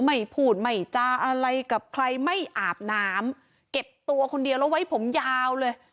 ไม่พูดไม่จาอะไรกับใครไม่อาบน้ำเก็บตัวคนเดียวแล้วไว้ผมยาวเลย